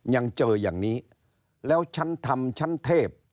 ยังเจออย่างนี้แล้วฉันทำชั้นเทพ